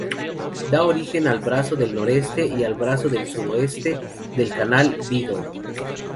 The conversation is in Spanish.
Da origen al brazo del Noroeste y al brazo del Sudoeste del canal Beagle.